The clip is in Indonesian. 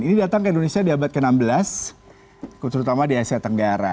ini datang ke indonesia di abad ke enam belas terutama di asia tenggara